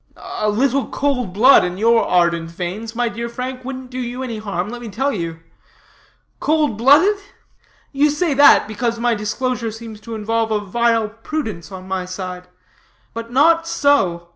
"A little cold blood in your ardent veins, my dear Frank, wouldn't do you any harm, let me tell you. Cold blooded? You say that, because my disclosure seems to involve a vile prudence on my side. But not so.